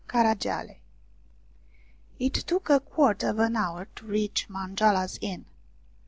CARAGIALE IT took a quarter of an hour to reach Manjoala's Inn.